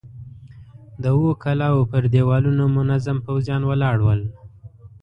د اوو کلاوو پر دېوالونو منظم پوځيان ولاړ ول.